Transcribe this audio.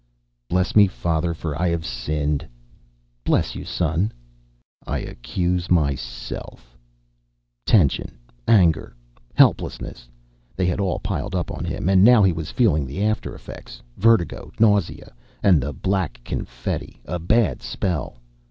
"Bless me, father, for I have sinned." "Bless you, son." "I accuse myself ..."Tension, anger, helplessness they had piled up on him, and now he was feeling the after effects. Vertigo, nausea, and the black confetti a bad spell.